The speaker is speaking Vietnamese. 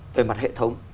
về mặt hệ thống